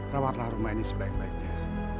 rawatlah rumah ini sebaik baiknya